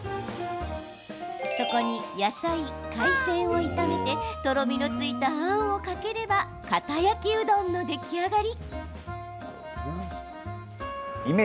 そこに野菜、海鮮を炒めてとろみのついた、あんをかければかた焼きうどんの出来上がり。